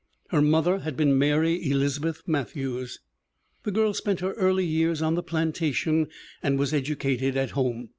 Her mother had been Mary Elizabeth Matthews. The girl spent her early years on the plantation and was edu cated at home.